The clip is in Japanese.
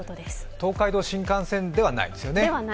東海道新幹線ではないですよね。